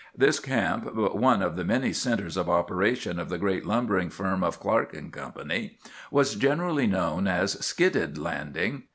"This camp, but one of the many centres of operation of the great lumbering firm of Clarke & Co., was generally known as 'Skidded Landing.